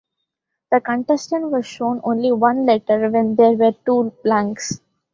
The contestant was shown only one letter when there were two blanks.